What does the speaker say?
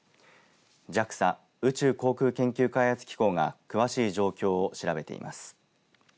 ＪＡＸＡ宇宙航空研究開発機構が詳しい状況を調べています。